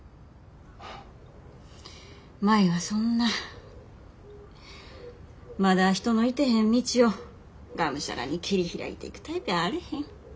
舞はそんなまだ人のいてへん道をがむしゃらに切り開いていくタイプやあれへん。